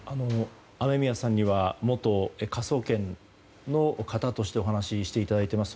雨宮さんには元科捜研の方としてお話していただいています。